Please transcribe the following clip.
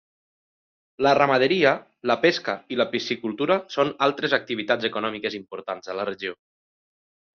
La ramaderia, la pesca i la piscicultura són altres activitats econòmiques importants a la regió.